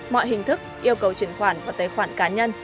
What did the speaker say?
mọi hình thức yêu cầu chuyển khoản và tế khoản cá nhân